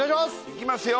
いきますよ